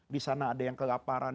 di sana ada yang kelaparan